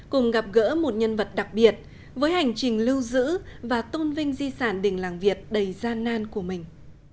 cùng gặp gỡ một nhân vật đặc biệt với hành trình lưu giữ và tôn vinh di sản đình làng việt đầy gian nan của mình